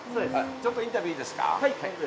ちょっとインタビューいいですか？